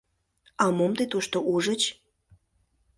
— А мом тый тушто ужыч?